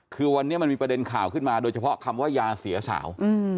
คือวันนี้มันมีประเด็นข่าวขึ้นมาโดยเฉพาะคำว่ายาเสียสาว